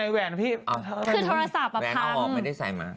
แหวนเอาออกไม่ได้ใส่มา